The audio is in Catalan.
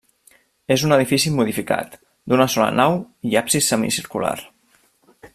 És un edifici modificat, d'una sola nau i absis semicircular.